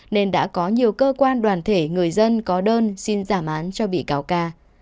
nên đã có nhiều cơ quan đoàn thể người dân có đơn xin giảm án cho bị cáo ca